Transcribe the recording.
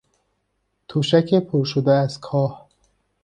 تشک پرشده از کاه